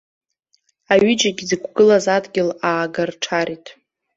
Аҩыџьагьы зықәгылаз адгьыл аагарҽарит.